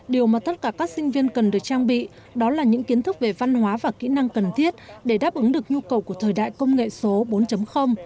điều mà tất cả các sinh viên cần được trang bị đó là những kiến thức về văn hóa và kỹ năng cần thiết để đáp ứng được nhu cầu của thời đại công nghệ số bốn